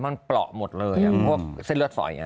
มันเปราะหมดเลยพวกเส้นเลือดฝอย